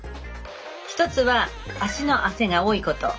１つは足の汗が多いこと。